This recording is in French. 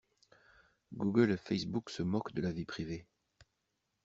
Google et facebook se moquent de la vie privée.